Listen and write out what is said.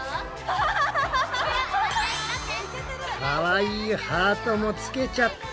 かわいいハートもつけちゃった！